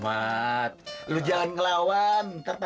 gila apa tapiuchs lu jangan kelawan t philadelphia